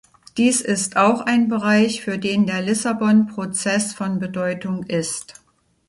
Dies ist auch ein Bereich, für den der Lissabon-Prozess von Bedeutung ist.